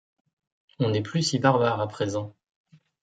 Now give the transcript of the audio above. On n’est plus si barbare à présent.